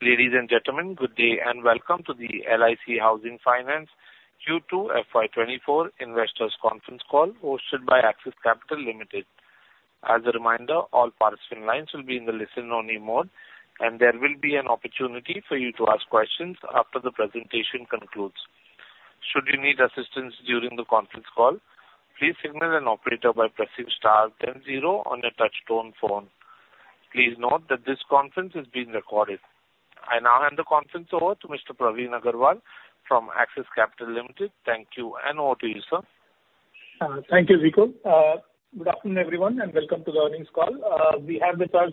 Ladies and gentlemen, good day, and welcome to the LIC Housing Finance Q2 FY 2024 investors conference call, hosted by Axis Capital Limited. As a reminder, all participant lines will be in the listen-only mode, and there will be an opportunity for you to ask questions after the presentation concludes. Should you need assistance during the conference call, please signal an operator by pressing star ten zero on your touchtone phone. Please note that this conference is being recorded. I now hand the conference over to Mr. Praveen Agarwal from Axis Capital Limited. Thank you, and over to you, sir. Thank you, Vikul. Good afternoon, everyone, and welcome to the earnings call. We have with us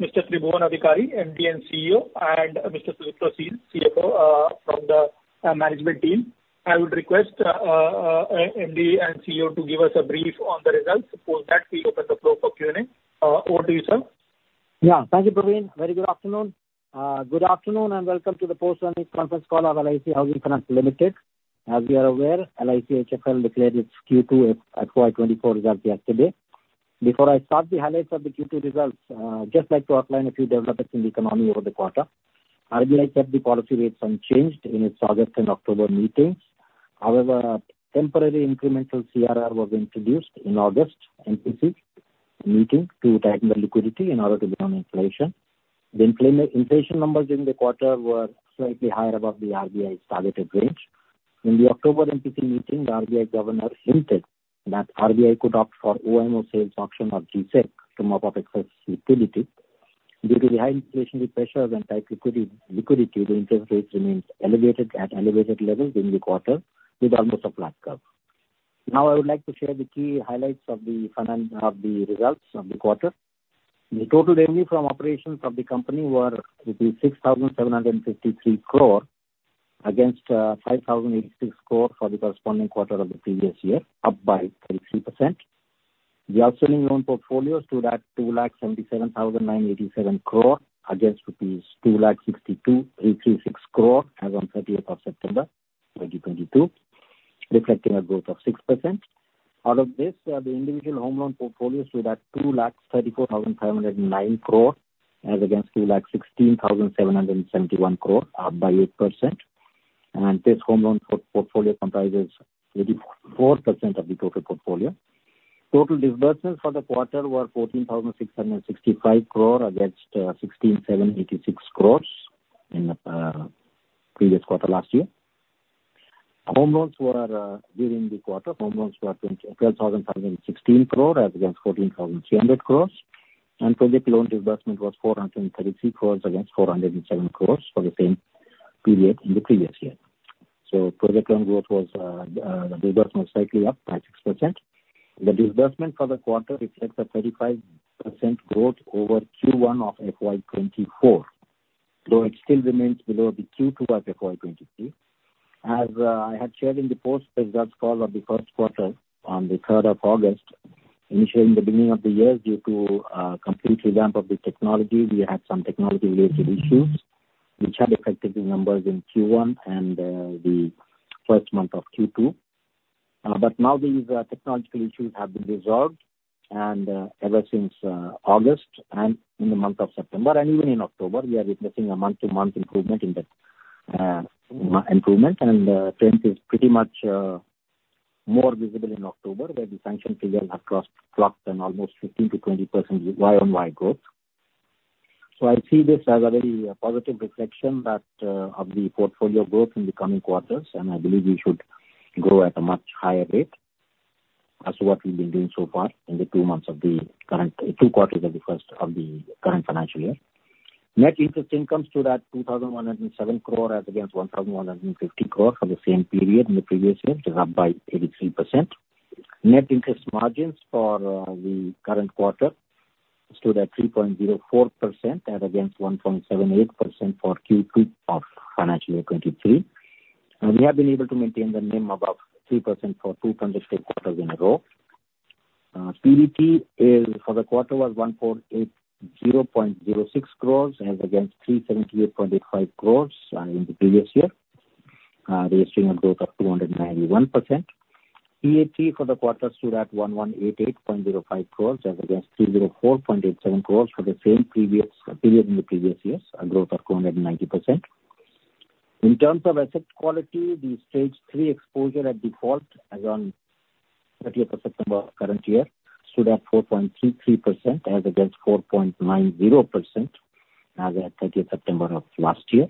Mr. Tribhuwan Adhikari, MD and CEO, and Mr. Sudipto Sil, CFO, from the management team. I would request MD and CEO to give us a brief on the results. After that, we open the floor for Q&A. Over to you, sir. Yeah. Thank you, Praveen. Very good afternoon. Good afternoon and welcome to the post-earnings conference call of LIC Housing Finance Limited. As you are aware, LIC HFL declared its Q2 FY 2024 results yesterday. Before I start the highlights of the Q2 results, just like to outline a few developments in the economy over the quarter. RBI kept the policy rates unchanged in its August and October meetings. However, temporary incremental CRR was introduced in August MPC meeting to tighten the liquidity in order to curb inflation. The inflation numbers in the quarter were slightly higher above the RBI's targeted range. In the October MPC meeting, the RBI governor hinted that RBI could opt for OMO sales auction or G-Sec to mop up excess liquidity. Due to the high inflationary pressures and tight liquidity, the interest rates remains elevated, at elevated levels during the quarter with almost a flat curve. Now, I would like to share the key highlights of the financial results of the quarter. The total revenue from operations of the company were rupees 6,753 crore, against 5,086 crore for the corresponding quarter of the previous year, up by 33%. The outstanding loan portfolio stood at 2,77,987 crore, against rupees 2,62,836 crore as on September 30th, 2022, reflecting a growth of 6%. Out of this, the individual home loan portfolio stood at 2,34,509 crore, as against 2,16,771 crore, up by 8%. This home loan portfolio comprises 84% of the total portfolio. Total disbursements for the quarter were 14,665 crore against 16,786 crore in previous quarter last year. Home loans were during the quarter, home loans were 12,516 crore as against 14,300 crore, and project loan disbursement was 433 crore against 407 crore for the same period in the previous year. So project loan growth was the disbursement was slightly up by 6%. The disbursement for the quarter reflects a 35% growth over Q1 of FY 2024, though it still remains below the Q2 of FY 2023. As I had shared in the post-results call of the first quarter on the August 3rd, initially in the beginning of the year, due to complete revamp of the technology, we had some technology-related issues which had affected the numbers in Q1 and the first month of Q2. But now these technological issues have been resolved, and ever since August and in the month of September and even in October, we are witnessing a month-to-month improvement in the improvement. Trend is pretty much more visible in October, where the sanction figures have clocked an almost 15%-20% YoY growth. So I see this as a very, positive reflection that, of the portfolio growth in the coming quarters, and I believe we should grow at a much higher rate as to what we've been doing so far in the two months of the current, two quarters of the first, of the current financial year. Net interest income stood at 2,107 crore, as against 1,150 crore for the same period in the previous year. It is up by 83%. Net interest margins for, the current quarter stood at 3.04%, as against 1.78% for Q2 of financial year 2023. And we have been able to maintain the NIM above 3% for two consecutive quarters in a row. PBT is, for the quarter, was 1,480.06 crore, as against 378.85 crore in the previous year, registering a growth of 291%. PAT for the quarter stood at 1,188.05 crore as against 304.87 crore for the same previous period in the previous years, a growth of 290%. In terms of asset quality, the Stage 3 exposure at default as on September 30th current year stood at 4.33%, as against 4.90% as at 30th September of last year.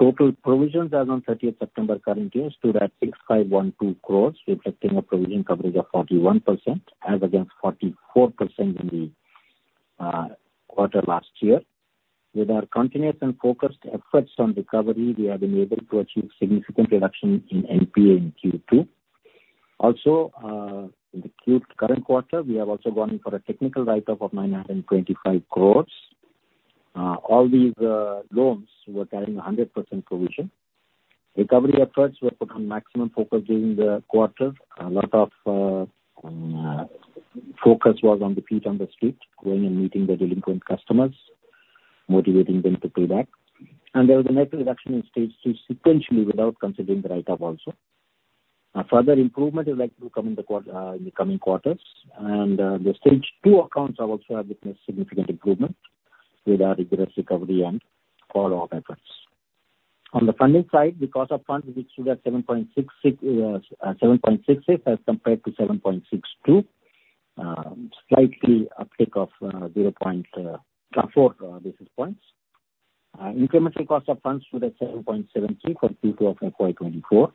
Total provisions as on September 30th current year stood at 6,512 crore, reflecting a provision coverage of 41%, as against 44% in the quarter last year. With our continuous and focused efforts on recovery, we have been able to achieve significant reduction in NPA in Q2. Also, in the current quarter, we have also gone in for a technical write-off of 925 crore. All these loans were carrying 100% provision. Recovery efforts were put on maximum focus during the quarter. A lot of focus was on the feet on the street, going and meeting the delinquent customers, motivating them to pay back. And there was a net reduction in stage 3 sequentially without considering the write-off also.... A further improvement is likely to come in the coming quarters, and the stage 2 accounts have also had witnessed significant improvement with our vigorous recovery and follow-up efforts. On the funding side, the cost of funds is issued at 7.66%, 7.66%, as compared to 7.62%, slightly uptick of, 0.4 basis points. Incremental cost of funds stood at 7.73% for Q2 of FY 2024.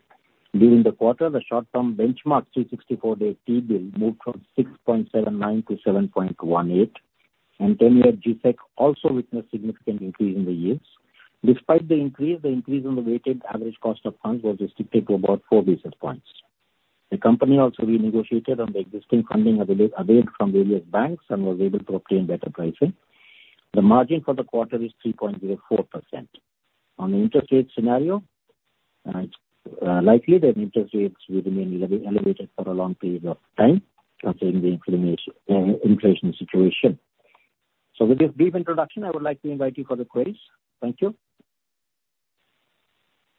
During the quarter, the short-term benchmark 364-day T-bill moved from 6.79% to 7.18%, and 10-year G-Sec also witnessed significant increase in the yields. Despite the increase, the increase in the weighted average cost of funds was restricted to about 4 basis points. The company also renegotiated on the existing funding availed from the various banks and was able to obtain better pricing. The margin for the quarter is 3.04%. On the interest rate scenario, it's likely that interest rates will remain elevated for a long period of time considering the inflation, inflation situation. With this brief introduction, I would like to invite you for the queries. Thank you.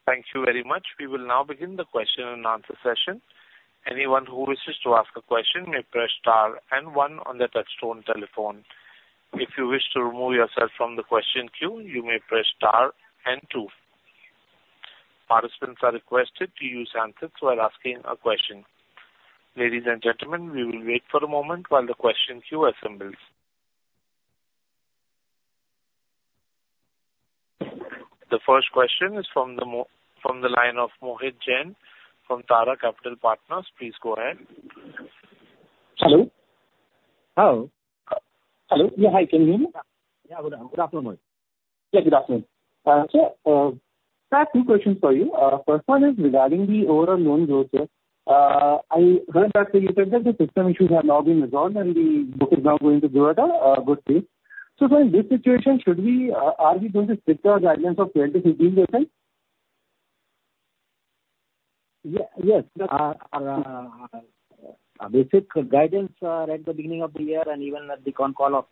Thank you very much. We will now begin the question and answer session. Anyone who wishes to ask a question may press star and one on their touchtone telephone. If you wish to remove yourself from the question queue, you may press star and two. Participants are requested to use handsets while asking a question. Ladies and gentlemen, we will wait for a moment while the question queue assembles. The first question is from the line of Mohit Jain from Tara Capital Partners. Please go ahead. Hello? Hello. Hello. Yeah. Hi, can you hear me? Yeah. Good afternoon, Mohit. Yeah, good afternoon. Sir, I have two questions for you. First one is regarding the overall loan growth, sir. I heard that you said that the system issues have now been resolved, and the book is now going to grow at a good pace. So sir, in this situation, should we, are we going to stick to our guidance of 20%-15%? Yeah, yes. Our basic guidance at the beginning of the year and even at the con call of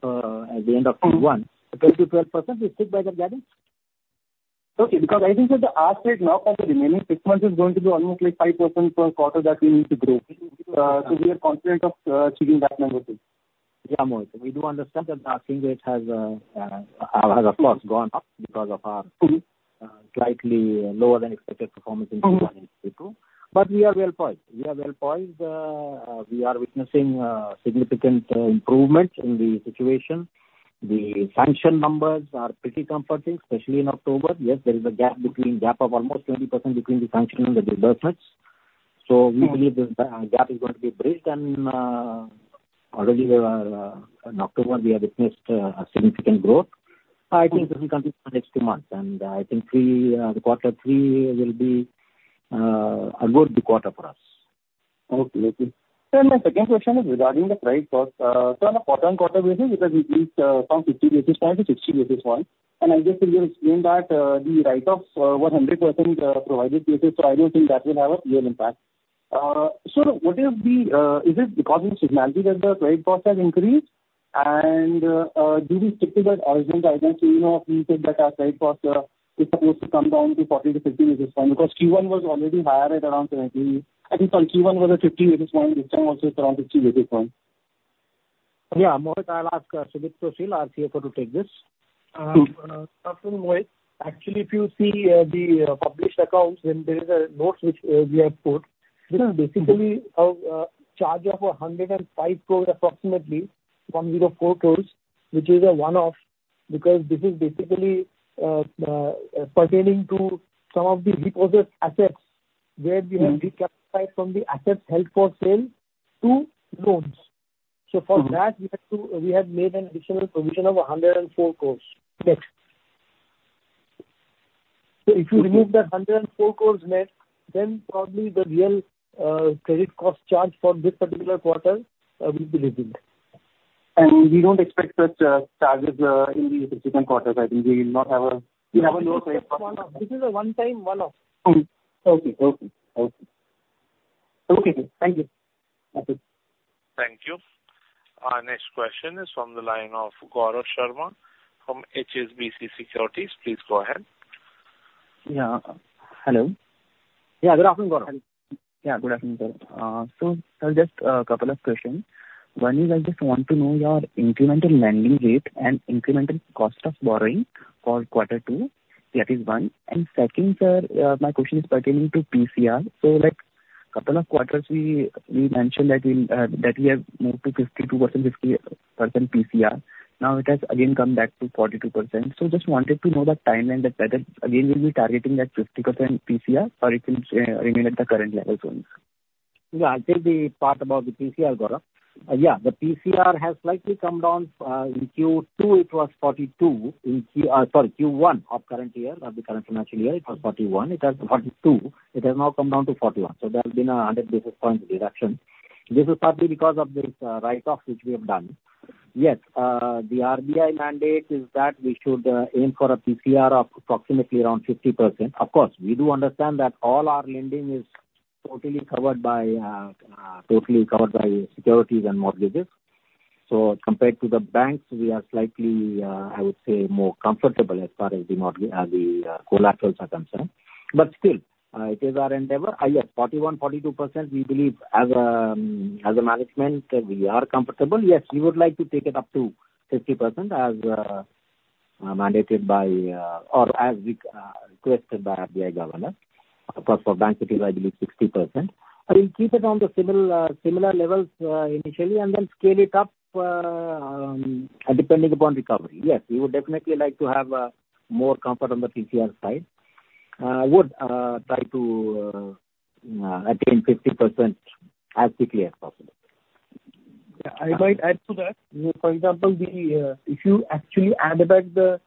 at the end of- Mm-hmm. -Q1, the 22%, we stick by that guidance. Okay, because I think that the R rate now for the remaining six months is going to be almost like 5% per quarter that we need to grow. So we are confident of achieving that number too. Yeah, Mohit, we do understand that the repo rate has, of course, gone up because of our slightly lower than expected performance in Q1 and Q2. Mm-hmm. But we are well poised. We are well poised. We are witnessing significant improvements in the situation. The sanction numbers are pretty comforting, especially in October. Yes, there is a gap between, gap of almost 20% between the sanction and the disbursements. So we believe- Mm-hmm. this gap is going to be bridged, and already in October, we have witnessed a significant growth. I think this will continue for the next two months, and I think we, the quarter three will be a good quarter for us. Okay. Okay. Sir, my second question is regarding the credit cost. From a quarter-on-quarter basis, because it is from 50 basis points to 60 basis points, and I just think you explained that the write-offs were 100% provided basis, so I don't think that will have a real impact. So what is the... Is it because of seasonality that the credit cost has increased? And do we stick to that original guidance? So, you know, if we said that our credit cost is supposed to come down to 40-50 basis points, because Q1 was already higher at around 70 basis points. I think on Q1 was a 50 basis point, which then also is around 50 basis points. Yeah, Mohit, I'll ask Sudipto Sil, our CFO, to take this. So, Mohit, actually, if you see the published accounts, then there is a note which we have put. Mm-hmm. This is basically a charge of 105 crore approximately, from 4 crore, which is a one-off, because this is basically pertaining to some of the repossessed assets, where we have- Mm-hmm reclassified from the assets held for sale to loans. Mm-hmm. From that, we had made an additional provision of 104 crore. Yes. So if you remove that 104 crore net, then probably the real credit cost charge for this particular quarter will be reduced. We don't expect such charges in the subsequent quarters. I think we have a lower- This is a one-time one-off. Okay. Okay. Okay. Okay, thank you. Thank you. Thank you. Our next question is from the line of Gaurav Sharma from HSBC Securities. Please go ahead. Yeah. Hello? Yeah, good afternoon, Gaurav. Yeah, good afternoon, sir. So I'll just, couple of questions. One is, I just want to know your incremental lending rate and incremental cost of borrowing for quarter two. That is one. And second, sir, my question is pertaining to PCR. So like, couple of quarters, we mentioned that in, that we have moved to 52%, 50% PCR. Now it has again come back to 42%. So just wanted to know the timeline that that is, again, we'll be targeting that 50% PCR, or it will remain at the current level as well? Yeah, I'll take the part about the PCR, Gaurav. Yeah, the PCR has slightly come down. In Q2, it was 42, in Q, sorry, Q1 of current year, of the current financial year, it was 41. It was 42. It has now come down to 41, so there has been a 100 basis points reduction. This is partly because of this write-off, which we have done. Yes, the RBI mandate is that we should aim for a PCR of approximately around 50%. Of course, we do understand that all our lending is totally covered by, totally covered by securities and mortgages... So compared to the banks, we are slightly, I would say, more comfortable as far as the collaterals are concerned. But still, it is our endeavor. Yes, 41%-42%, we believe as a, as a management, we are comfortable. Yes, we would like to take it up to 50% as mandated by, or as requested by RBI governor. Of course, for banks, it is ideally 60%. We'll keep it on the similar, similar levels, initially, and then scale it up, depending upon recovery. Yes, we would definitely like to have, more comfort on the PCR side. Would try to attain 50% as quickly as possible. Yeah, I might add to that. For example, if you actually add back the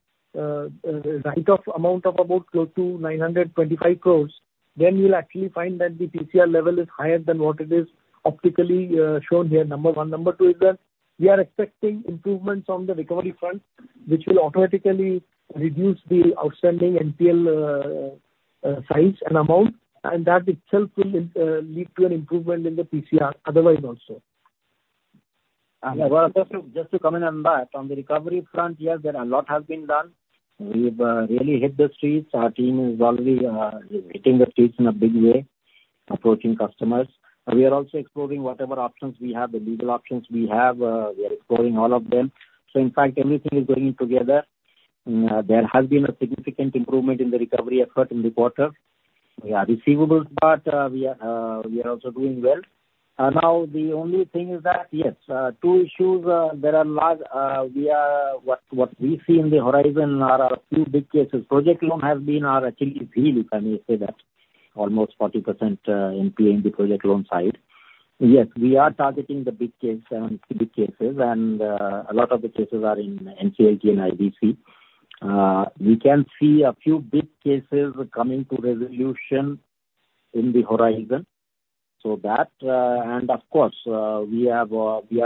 write-off amount of about close to 925 crore, then you'll actually find that the PCR level is higher than what it is optically shown here, number one. Number two is that we are expecting improvements on the recovery front, which will automatically reduce the outstanding NPL size and amount, and that itself will lead to an improvement in the PCR, otherwise also. Well, just to comment on that, on the recovery front, yes, there are a lot has been done. We've really hit the streets. Our team is already hitting the streets in a big way, approaching customers. We are also exploring whatever options we have, the legal options we have, we are exploring all of them. So in fact, everything is going together. There has been a significant improvement in the recovery effort in the quarter. We are receivables, but, we are also doing well. And now the only thing is that, yes, two issues that are large, we are... What we see in the horizon are a few big cases. Project loan has been our achilles heel, if I may say that, almost 40% NPL in the project loan side. Yes, we are targeting the big case, big cases, and a lot of the cases are in NCLT and IBC. We can see a few big cases coming to resolution in the horizon. So that, and of course, we are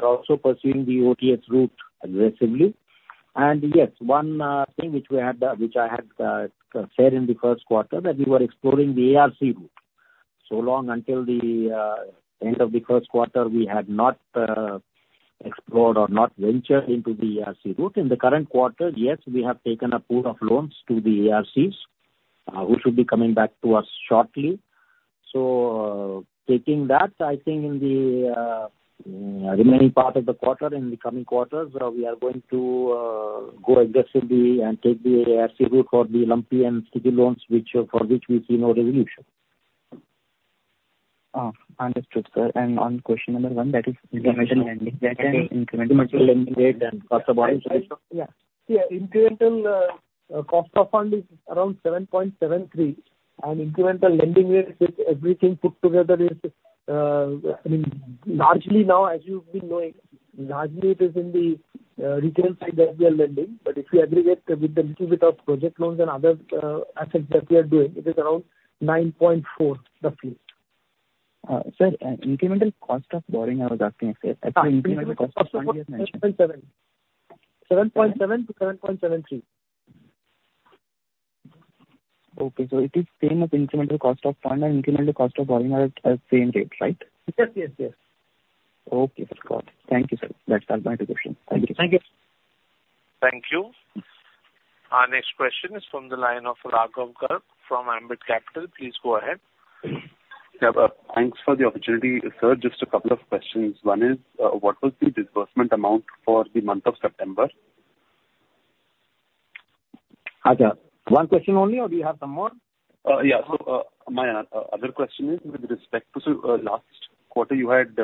also pursuing the OTS route aggressively. And yes, one thing which we had, which I had said in the first quarter, that we were exploring the ARC route. So long until the end of the first quarter, we had not explored or not ventured into the ARC route. In the current quarter, yes, we have taken a pool of loans to the ARCs, who should be coming back to us shortly. So, taking that, I think in the remaining part of the quarter, in the coming quarters, we are going to go aggressively and take the ARC route for the lumpy and sticky loans, which, for which we see no resolution. Understood, sir. And on question number one, that is incremental lending, that is incremental lending rate and cost of borrowing. Yeah. Yeah, incremental cost of fund is around 7.73%, and incremental lending rates with everything put together is, I mean, largely now, as you've been knowing, largely it is in the retail side that we are lending. But if you aggregate with the little bit of project loans and other assets that we are doing, it is around 9.4%, roughly. Sir, incremental cost of borrowing, I was asking, sir. Actually, incremental cost of borrowing you have mentioned. 7.7%. 7.7% to 7.73%. Okay. So it is same as incremental cost of fund and incremental cost of borrowing are same rate, right? Yes. Yes. Yes. Okay, got it. Thank you, sir. That's all my questions. Thank you. Thank you. Thank you. Our next question is from the line of Raghav Garg from Ambit Capital. Please go ahead. Yeah, thanks for the opportunity. Sir, just a couple of questions. One is, what was the disbursement amount for the month of September? Aja, one question only, or do you have some more? Yeah. So, my other question is with respect to last quarter, you had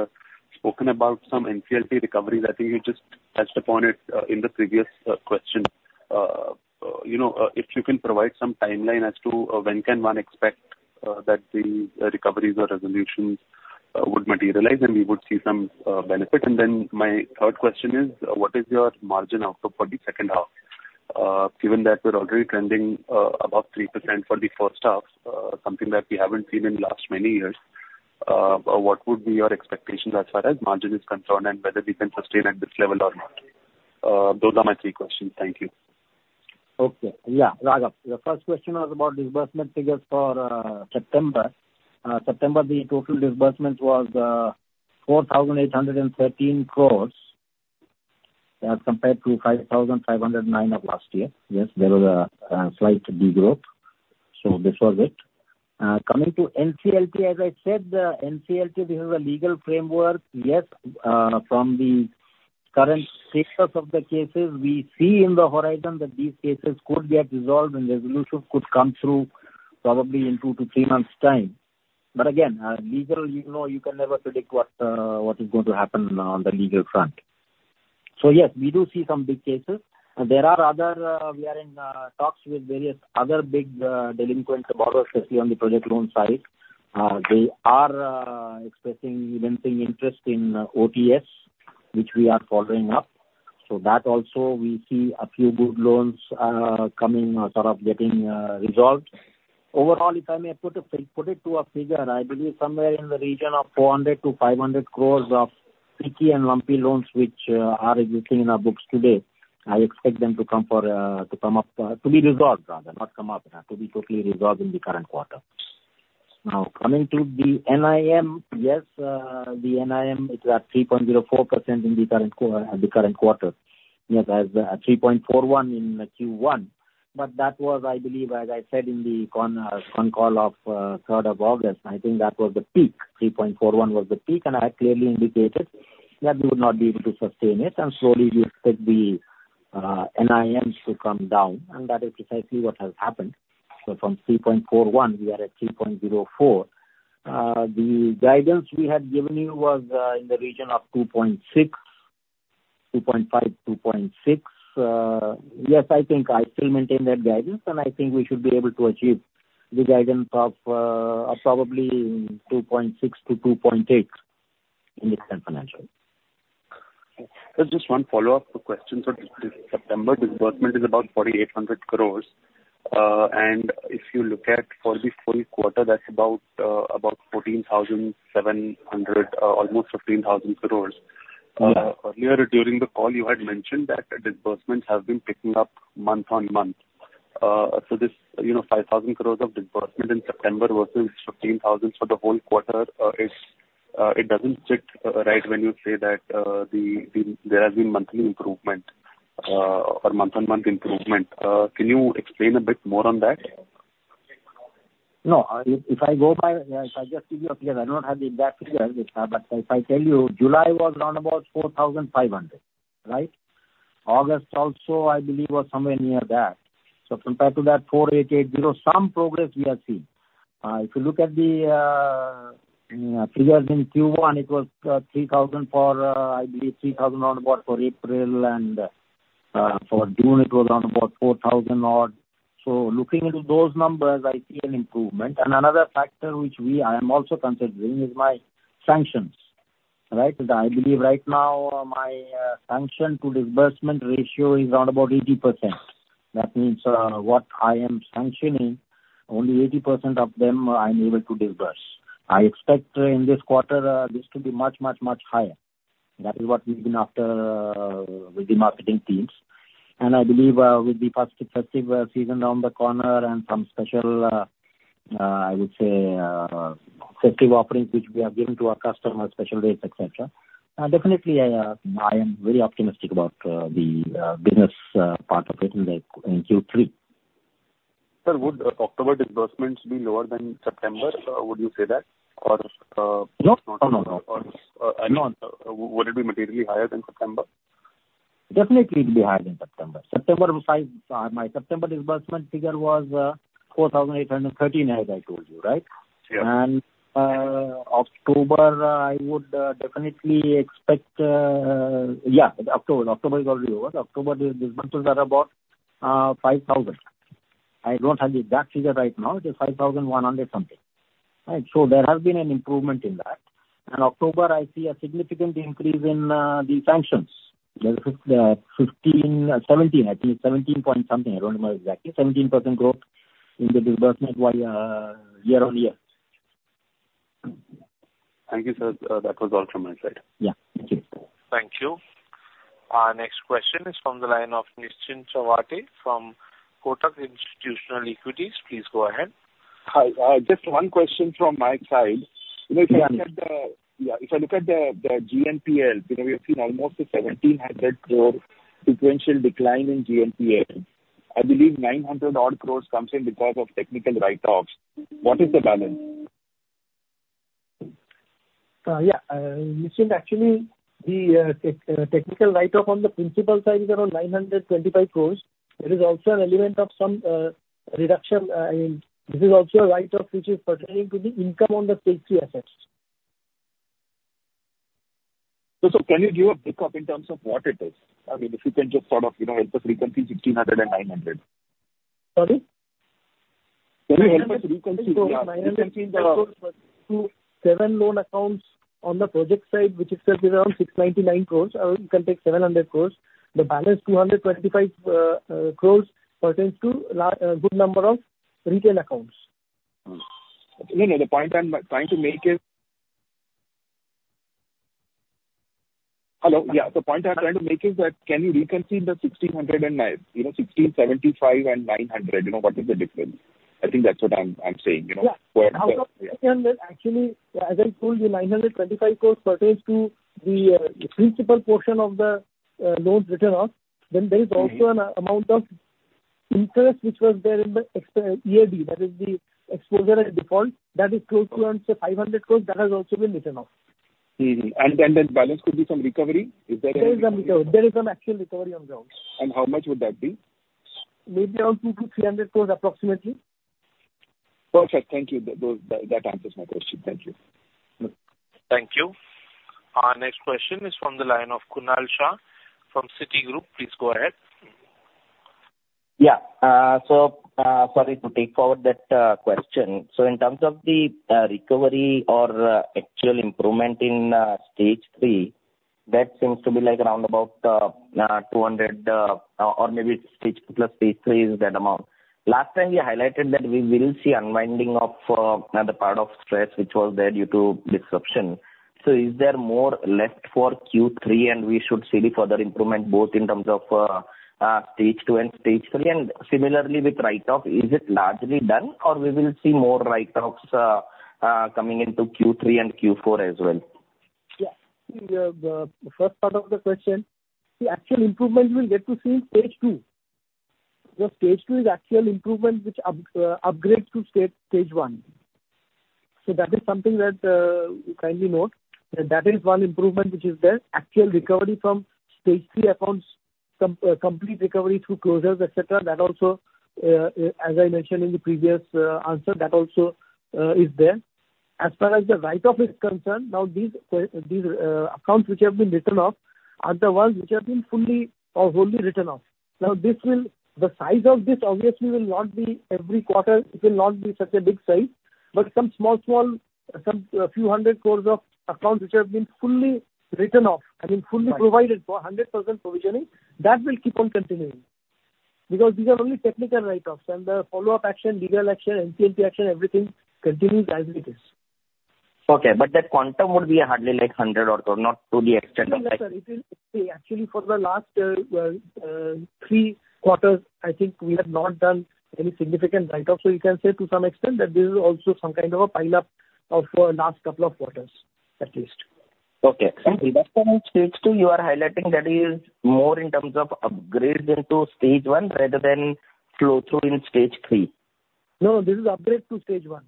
spoken about some NCLT recoveries. I think you just touched upon it in the previous question. You know, if you can provide some timeline as to when can one expect that the recoveries or resolutions would materialize and we would see some benefit? And then my third question is, what is your margin outlook for the second half? Given that we're already trending above 3% for the first half, something that we haven't seen in the last many years, what would be your expectations as far as margin is concerned and whether we can sustain at this level or not? Those are my three questions. Thank you. Okay. Yeah, Raghav. Your first question was about disbursement figures for September. September, the total disbursement was 4,813 crore, compared to 5,509 crore of last year. Yes, there was a slight degrowth. So this was it. Coming to NCLT, as I said, the NCLT, this is a legal framework. Yes, from the current status of the cases, we see in the horizon that these cases could get resolved and resolution could come through probably in 2-3 months' time. But again, legal, you know, you can never predict what is going to happen on the legal front. So yes, we do see some big cases. There are other, we are in talks with various other big delinquent borrowers, especially on the project loan side. They are expressing even some interest in OTS, which we are following up. So that also we see a few good loans coming sort of getting resolved. Overall, if I may put it, put it to a figure, I believe somewhere in the region of 400 crore-500 crore of sticky and lumpy loans, which are existing in our books today, I expect them to come for to come up to be resolved, rather, not come up to be totally resolved in the current quarter. Now, coming to the NIM, yes, the NIM is at 3.04% in the current quarter. Yes, as 3.41% in Q1. But that was, I believe, as I said in the con call of August 3rd, I think that was the peak. 3.41% was the peak, and I clearly indicated that we would not be able to sustain it, and slowly we expect the NIM to come down, and that is precisely what has happened. So from 3.41%, we are at 3.04%. The guidance we had given you was in the region of 2.6%, 2.5%, 2.6%. Yes, I think I still maintain that guidance, and I think we should be able to achieve the guidance of probably 2.6%-2.8% in this current financial. Sir, just one follow-up to questions. So this September disbursement is about 4,800 crore. And if you look at for the full quarter, that's about 14,700, almost 15,000 crore. Yeah. Earlier during the call, you had mentioned that the disbursements have been picking up month-on-month. So this, you know, 5,000 crore of disbursement in September versus 15,000 crore for the whole quarter, is, it doesn't sit right when you say that there has been monthly improvement, or month-on-month improvement. Can you explain a bit more on that? No, if I go by, if I just give you a figure, I don't have the exact figure, but if I tell you, July was around 4,500 crore, right? August also, I believe, was somewhere near that. Compared to that 4,880 crore, some progress we have seen. If you look at the figures in Q1, it was 3,000 crore for, I believe, 3,000 crore around for April, and for June, it was around 4,000 crore odd. Looking into those numbers, I see an improvement. Another factor which we—I am also considering is my sanctions, right? I believe right now my sanction to disbursement ratio is around 80%. That means what I am sanctioning, only 80% of them I'm able to disburse. I expect, in this quarter, this to be much, much, much higher. That is what we've been after, with the marketing teams. And I believe, with the festive season around the corner and some special, I would say, festive offerings, which we have given to our customers, special rates, et cetera, definitely, I am very optimistic about the business part of it in Q3. Sir, would October disbursements be lower than September? Would you say that? Or, No. No, no, no. No. Would it be materially higher than September? Definitely, it will be higher than September. September, five, my September disbursement figure was, 4,813, as I told you, right? Yeah. October, I would definitely expect... Yeah, October is already over. October disbursements are about 5,000 crore. I don't have the exact figure right now. It is 5,100 crore something. Right? So there has been an improvement in that. In October, I see a significant increase in the sanctions, 15%, 17%, I think it's 17 point something, I don't remember exactly. 17% growth in the disbursement wide, year-on-year. Thank you, sir. That was all from my side. Yeah. Thank you. Thank you. Our next question is from the line of Nischint Chawathe from Kotak Institutional Equities. Please go ahead. Hi. Just one question from my side. Mm-hmm. You know, if I look at the GNPL, you know, we have seen almost a 1,700 crore sequential decline in GNPL. I believe 900-odd crores comes in because of technical write-offs. What is the balance? Nischint, actually, the technical write-off on the principal side is around 925 crore. There is also an element of some reduction in. This is also a write-off which is pertaining to the income on the Stage 3 assets. So, so can you give a breakup in terms of what it is? I mean, if you can just sort of, you know, help us reconcile 1,600 and 900. Sorry? Can you help us reconcile 900- 7 loan accounts on the project side, which is around 699 crore, or you can take 700 crore. The balance, 225 crore, pertains to LAP, a good number of retail accounts. No, no, the point I'm trying to make is... Hello? Yeah, the point I'm trying to make is that, can you reconcile the 1,609, you know, 1,675 and 900, you know, what is the difference? I think that's what I'm, I'm saying, you know? Yeah. Where, where- Actually, as I told you, 925 crore pertains to the principal portion of the loans written off. Mm-hmm. Then there is also an amount of interest which was there in the gross EAD, that is the Exposure at Default. That is close to around, say, 500 crore. That has also been written off. Mm-hmm. And then, then balance could be some recovery? Is that it? There is some recovery. There is some actual recovery on ground. How much would that be? Maybe around 200 crore-300 crore, approximately. Perfect. Thank you. That answers my question. Thank you. Thank you. Our next question is from the line of Kunal Shah from Citigroup. Please go ahead. Yeah. So, sorry to take forward that question. So in terms of the recovery or actual improvement in Stage 3, that seems to be like around about 200, or maybe Stage 2 plus Stage 3 is that amount. Last time you highlighted that we will see unwinding of the part of stress which was there due to disruption.... So is there more left for Q3 and we should see the further improvement, both in terms of Stage 2 and Stage 3? And similarly, with write-off, is it largely done, or we will see more write-offs coming into Q3 and Q4 as well? Yeah. The first part of the question, the actual improvements we'll get to see in Stage 2. The Stage 2 is actual improvement which upgrades to Stage 1. So that is something that, kindly note, that that is one improvement which is there. Actual recovery from Stage 3 accounts, complete recovery through closures, et cetera, that also, as I mentioned in the previous answer, that also, is there. As far as the write-off is concerned, now these accounts which have been written off are the ones which have been fully or wholly written off. Now, this will the size of this obviously will not be every quarter, it will not be such a big size, but some small, small, some, a few 100 crore of accounts which have been fully written off, have been fully provided for 100% provisioning, that will keep on continuing. Because these are only technical write-offs, and the follow-up action, legal action, SARFAESI action, everything continues as it is. Okay, but that quantum would be hardly like 100 or so, not to the extent of- No, no, sir, it is, actually for the last, well, three quarters, I think we have not done any significant write-off. So you can say to some extent that this is also some kind of a pileup of for last couple of quarters, at least. Okay. Thank you. That's why in Stage 2, you are highlighting that is more in terms of upgrades into Stage 1 rather than flow-through in Stage 3. No, this is upgrade to Stage 1.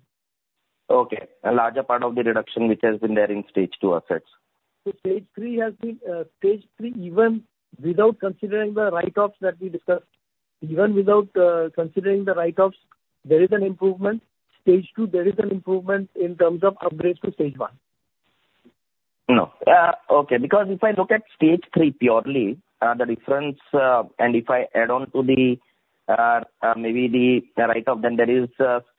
Okay. A larger part of the reduction which has been there in Stage 2 assets. Stage 3 has been, Stage 3, even without considering the write-offs that we discussed, even without, considering the write-offs, there is an improvement. Stage 2, there is an improvement in terms of upgrade to Stage 1. No. Okay, because if I look at stage 3 purely, the difference, and if I add on to the, maybe the write-off, then there is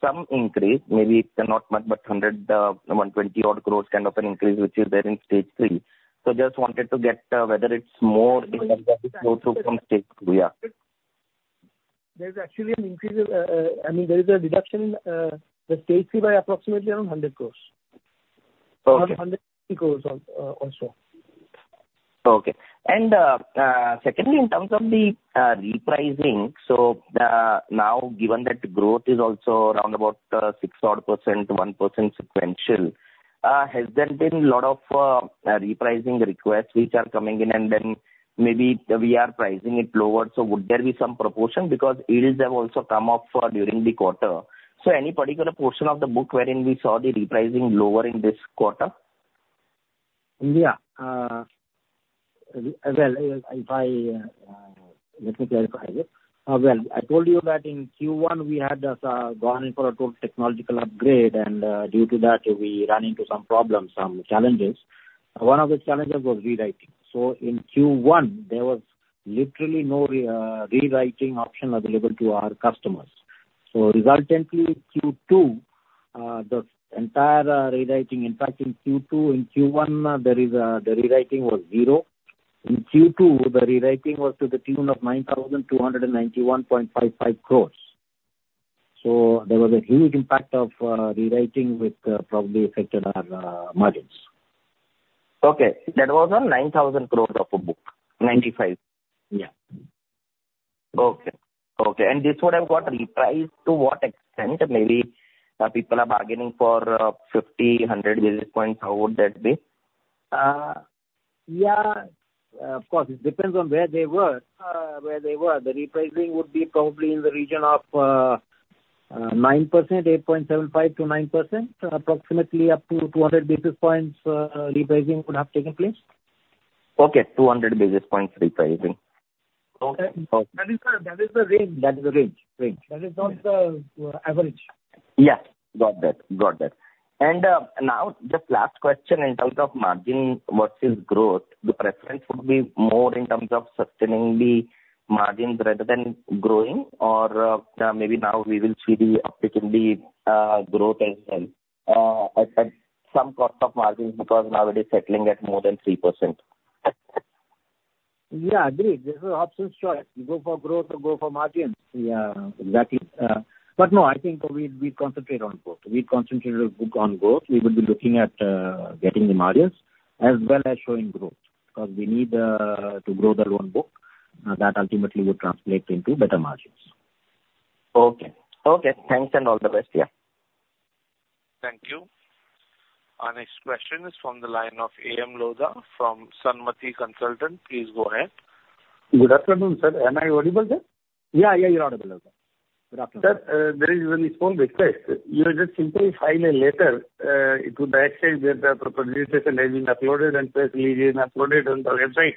some increase, maybe not much, but 120-odd crores kind of an increase, which is there in stage 3. So just wanted to get whether it's more in terms of the flow-through from stage 2, yeah. There's actually an increase, I mean, there is a reduction, the Stage 3 by approximately around 100 crore. Okay. 100 crore, also. Okay. And, secondly, in terms of the, repricing, so the, now, given that growth is also around about, 6%, 1% sequential, has there been a lot of, repricing requests which are coming in, and then maybe we are pricing it lower, so would there be some proportion? Because yields have also come up, during the quarter. So any particular portion of the book wherein we saw the repricing lower in this quarter? Yeah. Well, if I... Let me clarify this. Well, I told you that in Q1, we had gone in for a total technological upgrade, and due to that, we ran into some problems, some challenges. One of the challenges was rewriting. So in Q1, there was literally no rewriting option available to our customers. So resultantly, Q2, the entire rewriting, in fact, in Q1, the rewriting was zero. In Q2, the rewriting was to the tune of 9,291.55 crore. So there was a huge impact of rewriting which probably affected our margins. Okay. That was on 9,000 crore of a book. 95. Yeah. Okay. Okay, and this would have got repriced to what extent? Maybe, people are bargaining for 50, 100 basis points. How would that be? Yeah, of course, it depends on where they were, where they were. The repricing would be probably in the region of 9%, 8.75%-9%. Approximately up to 200 basis points, repricing would have taken place. Okay, 200 basis points repricing. That is the, that is the range. That is the range, range. That is not the average. Yeah, got that, got that. And, now, just last question in terms of margin versus growth, the preference would be more in terms of sustaining the margins rather than growing? Or, maybe now we will see the uptick in the growth as well, at some cost of margins, because now it is settling at more than 3%. Yeah, I agree. This is options choice. You go for growth or go for margins? Yeah, that is. But no, I think we, we concentrate on growth. We concentrate on growth. We will be looking at, getting the margins as well as showing growth, because we need, to grow the loan book. That ultimately would translate into better margins. Okay. Okay, thanks and all the best. Yeah. Thank you. Our next question is from the line of A.M. Lodha, from Sanmati Consultants. Please go ahead. Good afternoon, sir. Am I audible there? Yeah, yeah, you're audible, okay. Good afternoon. Sir, there is only small request. You just simply file a letter to the exchange that the presentation has been uploaded and press release is uploaded on the website.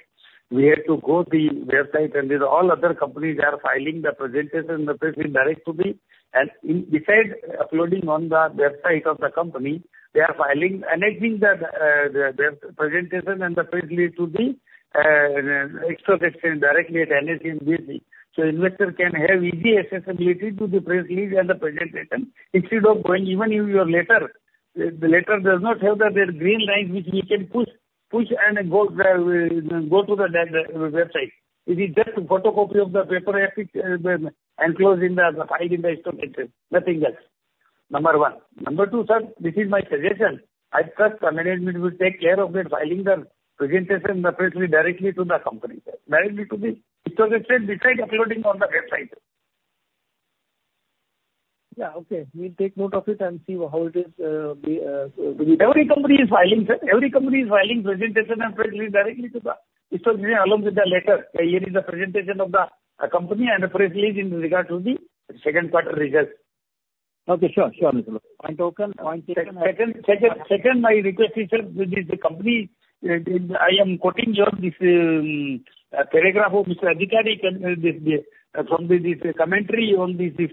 We have to go to the website, and with all other companies, they are filing the presentation, the press release direct to the. And besides uploading on the website of the company, they are filing, attaching the presentation and the press release to the exchange directly at NSE and BSE. So investor can have easy accessibility to the press release and the presentation instead of going. Even in your letter, the letter does not have that green line which we can push and go to the website. It is just a photocopy of the paper copy, enclosed in the, filed in the stock exchange, nothing else. 1. 2, sir, this is my suggestion. I trust management will take care of it, filing the presentation directly to the company, sir. Directly to the stock exchange, besides uploading on the website. Yeah, okay. We'll take note of it and see how it is, with- Every company is filing, sir. Every company is filing presentation and press release directly to the stock exchange, along with the letter. Here is the presentation of the company and the press release in regard to the second quarter results. Okay, sure. Sure, Mr. Point taken. Point taken. Second, my request is, sir, with this company, I am quoting you on this, paragraph of Mr. Adhikari, can, this, the, from this commentary on this, this,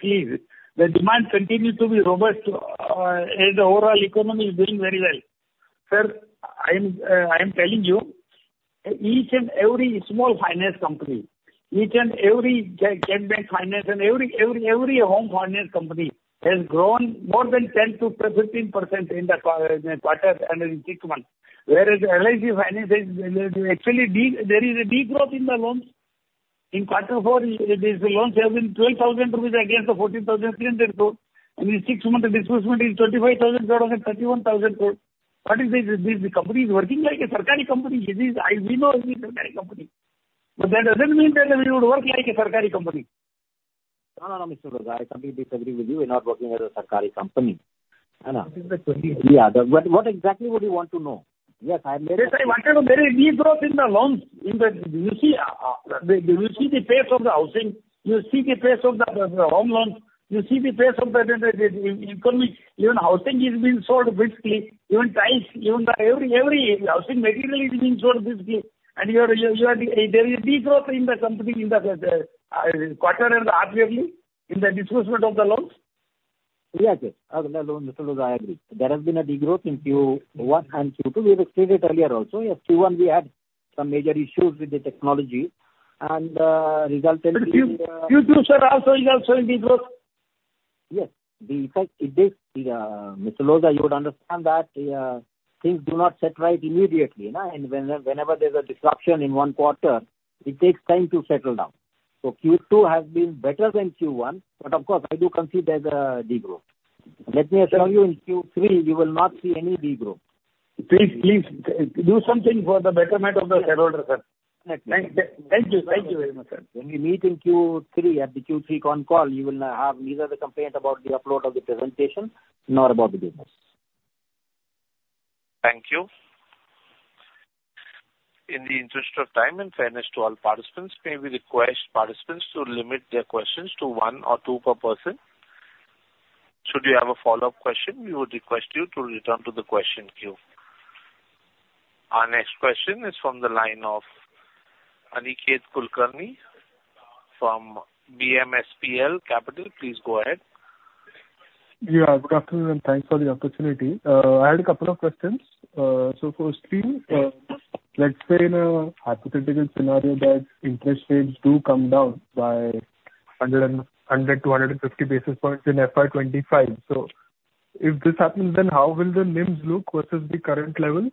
please. The demand continued to be robust, and the overall economy is doing very well. Sir, I am telling you, each and every small finance company, each and every gen bank finance and every home finance company has grown more than 10%-15% in the quarter and in six months. Whereas LIC Finance is, is actually there is a decline in the loans. In Quarter Four, these loans have been 12,000 crore rupees against the 14,300 crore, and in six months, the disbursement is 25,000 crore and 31,000 crore. What is this? This, the company is working like a sarkari company. It is, we know it is a sarkari company, but that doesn't mean that we would work like a sarkari company. No, no, no, Mr. Lodha, I completely agree with you. We're not working as a Sarkari company. No. That is the question. Yeah. But what exactly would you want to know? Yes, I made- Yes, I want to know, there is degrowth in the loans. In the... You see the pace of the housing, you see the pace of the home loans, you see the pace of the economy. Even housing is being sold briskly, even tiles, even every housing material is being sold briskly, and you are, there is degrowth in the company, in the quarter and half yearly in the disbursement of the loans. Yeah, okay. The loans, Mr. Lodha, I agree. There has been a degrowth in Q1 and Q2. We have stated earlier also, yes, Q1 we had some major issues with the technology, and resultantly, Q2, sir, also is in degrowth. Yes. The effect is this, Mr. Lodha, you would understand that, things do not set right immediately, you know, and whenever there's a disruption in one quarter, it takes time to settle down. So Q2 has been better than Q1, but of course, I do concede there's a degrowth. Let me assure you, in Q3, you will not see any degrowth. Please, please, do something for the betterment of the shareholder, sir. Thank you. Thank you. Thank you very much, sir. When we meet in Q3, at the Q3 con call, you will not have neither the complaint about the upload of the presentation, nor about the business. Thank you. In the interest of time and fairness to all participants, may we request participants to limit their questions to one or two per person? Should you have a follow-up question, we would request you to return to the question queue. Our next question is from the line of Aniket Kulkarni from BMSPL Capital. Please go ahead. Yeah, good afternoon, and thanks for the opportunity. I had a couple of questions. So firstly, let's say in a hypothetical scenario that interest rates do come down by 100-150 basis points in FY 2025. So if this happens, then how will the NIMs look versus the current levels?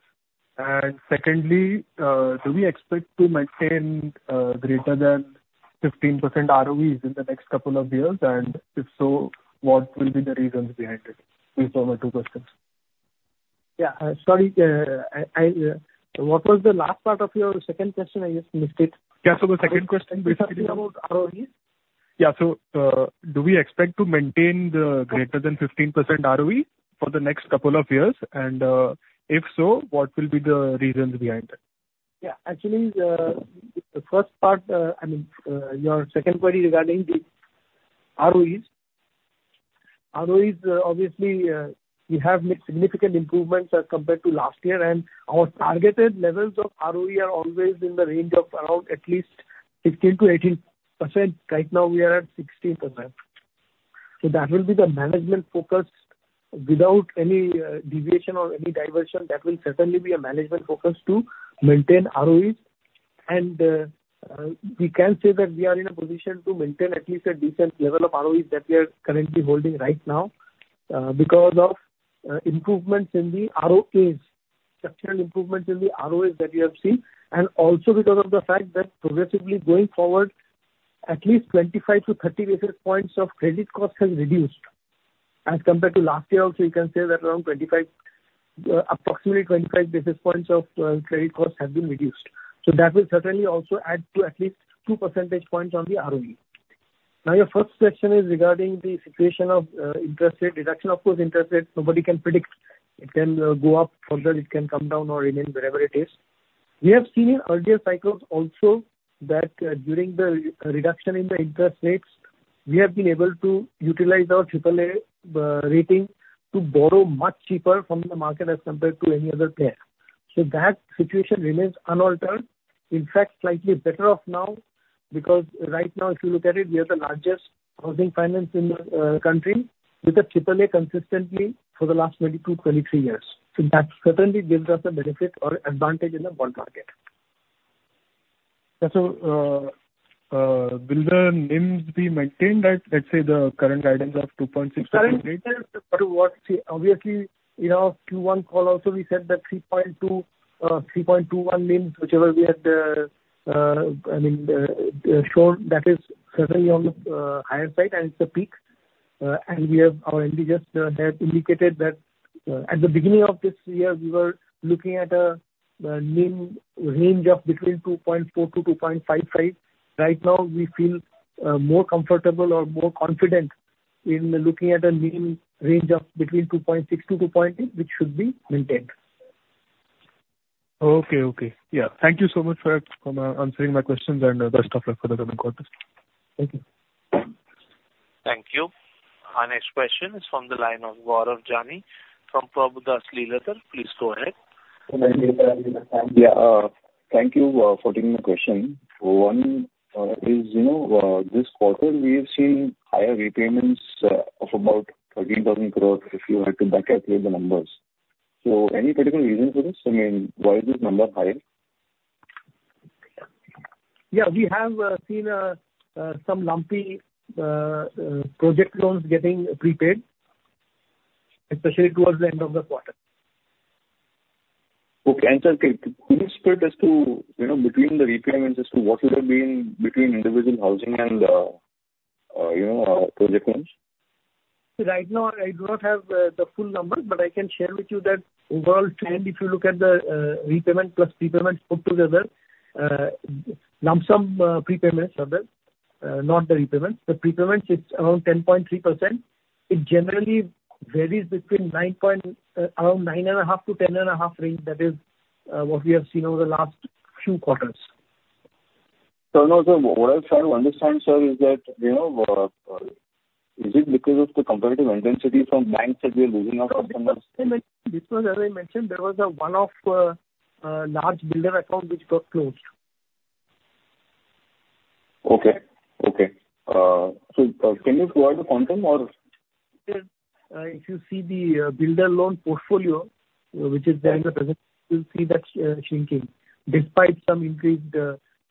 And secondly, do we expect to maintain greater than 15% ROEs in the next couple of years? And if so, what will be the reasons behind it? These are my two questions. Yeah, sorry, I what was the last part of your second question? I just missed it. Yeah. So the second question basically- About ROEs? Yeah. So, do we expect to maintain the greater than 15% ROE for the next couple of years? And, if so, what will be the reasons behind it? Yeah. Actually, the first part, I mean, your second query regarding the ROEs. ROEs, obviously, we have made significant improvements as compared to last year, and our targeted levels of ROE are always in the range of around at least 16%-18%. Right now, we are at 16%. So that will be the management focus. Without any deviation or any diversion, that will certainly be a management focus to maintain ROEs. And, we can say that we are in a position to maintain at least a decent level of ROEs that we are currently holding right now, because of improvements in the ROAs, structural improvements in the ROAs that we have seen, and also because of the fact that progressively going forward, at least 25-30 basis points of credit costs have reduced. As compared to last year also, you can say that around 25, approximately 25 basis points of credit costs have been reduced. So that will certainly also add to at least 2 percentage points on the ROE. Now, your first question is regarding the situation of interest rate, reduction of those interest rates. Nobody can predict. It can go up further, it can come down or remain wherever it is. We have seen in earlier cycles also that during the reduction in the interest rates, we have been able to utilize our triple A rating to borrow much cheaper from the market as compared to any other player. So that situation remains unaltered. In fact, slightly better off now, because right now, if you look at it, we are the largest housing finance in the country, with a triple A consistently for the last 22, 23 years. So that certainly gives us a benefit or advantage in the bond market.... Yeah, so, will the NIMs be maintained at, let's say, the current guidance of 2.6? Current guidance, but what, see, obviously, you know, Q1 call also we said that 3.2%, 3.21% NIM, whichever we had, I mean, shown, that is certainly on the, higher side and it's a peak. And we have, our MD just, has indicated that, at the beginning of this year, we were looking at a, a NIM range of between 2.4%-2.55%. Right now, we feel, more comfortable or more confident in looking at a NIM range of between 2.6%-2.8%, which should be maintained. Okay, okay. Yeah. Thank you so much for answering my questions, and best of luck for the coming quarters. Thank you. Thank you. Our next question is from the line of Gaurav Jani from Prabhudas Lilladher. Please go ahead. Yeah, thank you for taking my question. One is, you know, this quarter, we have seen higher repayments of about 13,000 crore, if you were to back calculate the numbers. So any particular reason for this? I mean, why is this number high? Yeah, we have seen some lumpy project loans getting prepaid, especially towards the end of the quarter. Okay. And, sir, could you split as to, you know, between the repayments as to what would have been between individual housing and, you know, project loans? Right now, I do not have the full numbers, but I can share with you that overall trend, if you look at the repayment plus prepayment put together, lump sum prepayments are there, not the repayments. The prepayments, it's around 10.3%. It generally varies between nine point... around 9.5%-10.5% range. That is what we have seen over the last few quarters. So no, sir, what I'm trying to understand, sir, is that, you know, is it because of the competitive intensity from banks that we are losing our customers? This was as I mentioned, there was a one-off, large builder account which got closed. Okay, okay. So, can you provide the quantum or? If you see the builder loan portfolio, which is there in the presentation, you'll see that shrinking. Despite some increased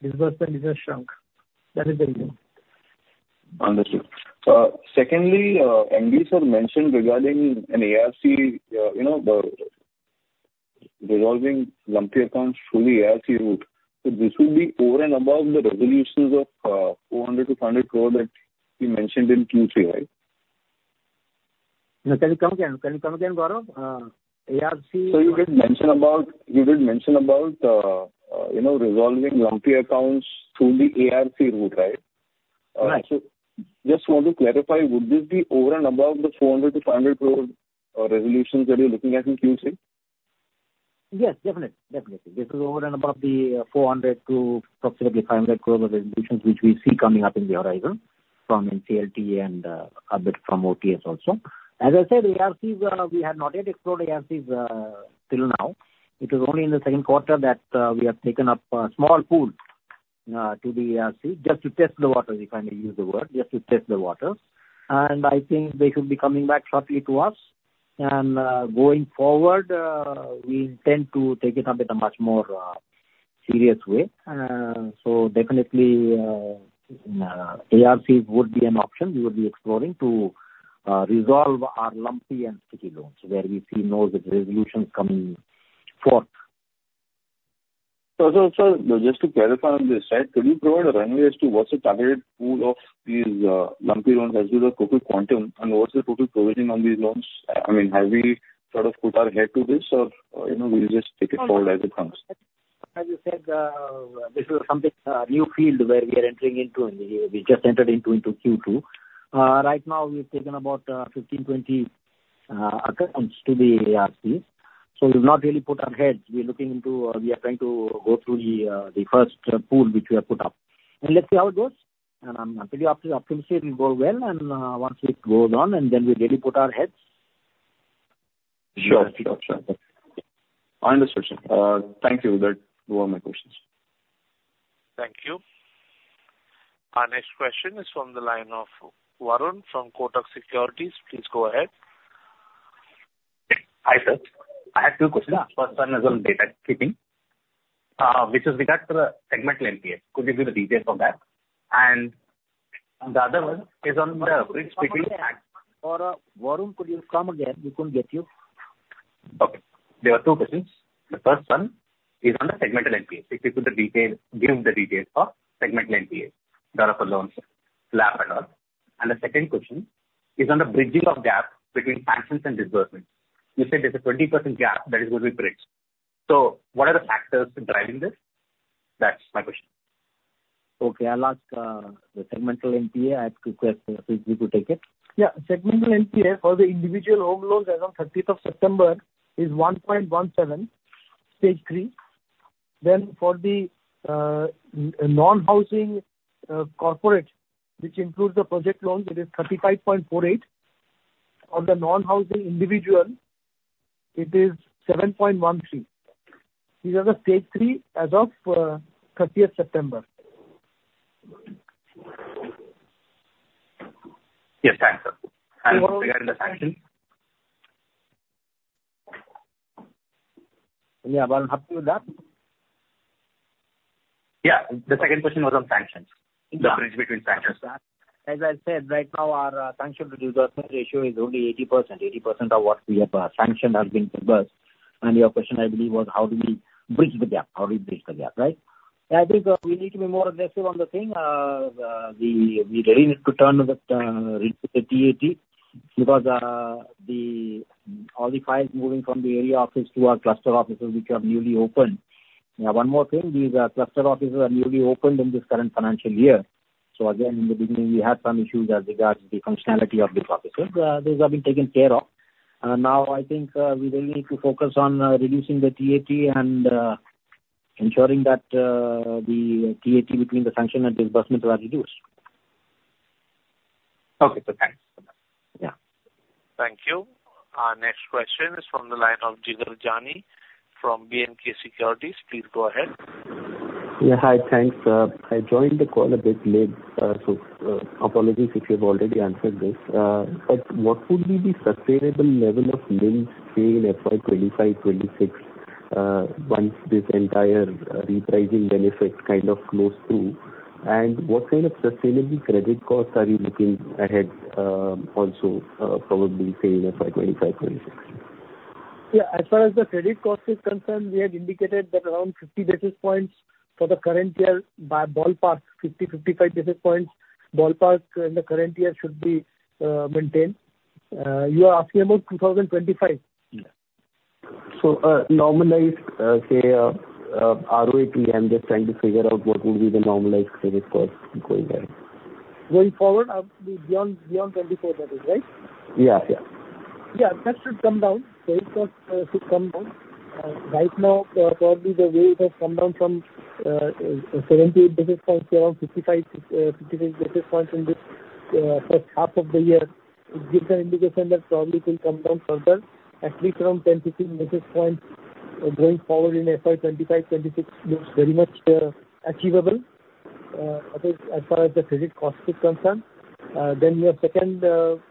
disbursement, it's shrunk. That is the reason. Understood. Secondly, GNPL, sir mentioned regarding an ARC, you know, the resolving lumpy accounts through the ARC route. So this will be over and above the resolutions of 400 crore-500 crore that you mentioned in Q3, right? Now, can you come again? Can you come again, Gaurav? ARC- So you did mention about, you know, resolving lumpy accounts through the ARC route, right? Right. Just want to clarify, would this be over and above the 400 crore-500 crore resolutions that you're looking at in Q3? Yes, definitely, definitely. This is over and above the 400 crore to approximately 500 crore of resolutions, which we see coming up in the horizon from NCLT and a bit from OTS also. As I said, ARCs, we have not yet explored ARCs till now. It was only in the second quarter that we have taken up a small pool to the ARC, just to test the waters, if I may use the word, just to test the waters. And I think they should be coming back shortly to us. And going forward, we intend to take it up in a much more serious way. So definitely, ARCs would be an option we would be exploring to resolve our lumpy and sticky loans, where we see no resolutions coming forth. So, sir, just to clarify on this side, could you provide a runway as to what's the target pool of these lumpy loans as well as the total quantum, and what's the total provisioning on these loans? I mean, have we sort of put our head to this or, you know, we'll just take it forward as it comes? As you said, this is something new field where we are entering into, and we just entered into Q2. Right now we've taken about 15, 20 accounts to the ARCs. So we've not really put our heads. We're looking into, we are trying to go through the first pool, which we have put up. And let's see how it goes. And pretty optimistic it will go well, and once it goes on and then we really put our heads. Sure, sure, sure. I understand, sir. Thank you. That, those are my questions. Thank you. Our next question is from the line of Varun from Kotak Securities. Please go ahead. Hi, sir. I have two questions. First one is on disbursement, with regard to the segmental NPA. Could you give the details on that? And the other one is on the bridge between- Gaurav, Varun, could you come again? We couldn't get you. Okay. There are two questions. The first one is on the segmental NPA. If you could the details, give the details for segmental NPA, doubtful loans, LAP and all. And the second question is on the bridging of gap between sanctions and disbursements. You said there's a 20% gap that is going to be bridged. So what are the factors driving this? That's my question. Okay. I'll ask the segmental NPA, I have to request Sudipto to take it. Yeah. Segmental NPA for the individual home loans as of thirtieth of September is 1.17%, Stage 3. Then for the non-housing corporate, which includes the project loans, it is 35.48%. On the non-housing individual, it is 7.13%. These are the Stage 3 as of thirtieth of September.... Yes, thanks, sir. And regarding the sanction? Yeah, about after that? Yeah, the second question was on sanctions. Yeah. The bridge between sanctions. As I said, right now, our sanction to disbursement ratio is only 80%. 80% of what we have sanctioned has been dispersed. And your question, I believe, was how do we bridge the gap? How do we bridge the gap, right? I think, we need to be more aggressive on the thing. We really need to turn the into the TAT, because all the files moving from the area office to our cluster offices, which have newly opened. Now, one more thing, these cluster offices are newly opened in this current financial year. So again, in the beginning, we had some issues as regards the functionality of these offices. Those have been taken care of. Now I think we really need to focus on reducing the TAT and ensuring that the TAT between the sanction and disbursement are reduced. Okay. So thanks. Yeah. Thank you. Our next question is from the line of Jigar Jani from B&K Securities. Please go ahead. Yeah. Hi, thanks. I joined the call a bit late, so, apologies if you've already answered this. But what would be the sustainable level of NIMs say in FY 2025, 2026, once this entire, repricing benefit kind of close to? And what kind of sustainable credit costs are you looking ahead, also, probably say in FY 2025, 2026? Yeah, as far as the credit cost is concerned, we had indicated that around 50 basis points for the current year, by ballpark, 50-55 basis points, ballpark in the current year should be maintained. You are asking about 2025? Yeah. So, normalized, say, ROA, I'm just trying to figure out what would be the normalized credit cost going ahead. Going forward, beyond 2024, that is, right? Yeah, yeah. Yeah, that should come down. Credit cost should come down. Right now, probably the way it has come down from 70 basis points to around 55 basis points in the first half of the year, it gives an indication that probably it will come down further. At least around 10-15 basis points going forward in FY 2025, 2026 looks very much achievable, at least as far as the credit cost is concerned. Then your second